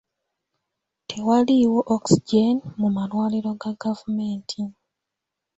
Tewaliiwo oxygen mu malwaliro ga gavumenti